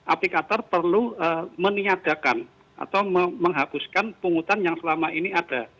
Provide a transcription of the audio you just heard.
aplikator perlu meniadakan atau menghapuskan pungutan yang selama ini ada